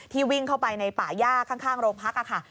วิ่งเข้าไปในป่าย่าข้างโรงพักค่ะ